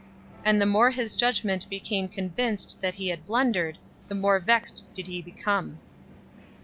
And the more his judgment became convinced that he had blundered, the more vexed did he become.